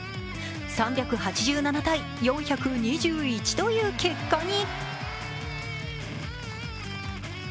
３８７対４２１とい結果に。